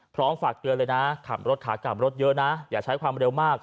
พร้อมฝากเกินเลยนะฮะข่ามรถขาดข่ามรถเยอะนะอย่าใช้ความเร็วมาก